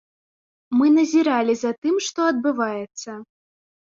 Мы назіралі за тым, што адбываецца.